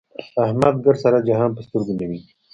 احمد ګردسره جهان په سترګو نه وي.